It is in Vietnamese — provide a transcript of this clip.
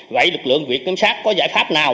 vậy lực lượng viện sát có giải pháp nào